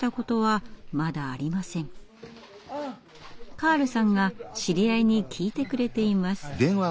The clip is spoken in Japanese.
カールさんが知り合いに聞いてくれています。